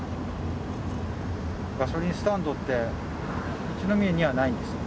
ガソリンスタンドって一宮にはないんですか？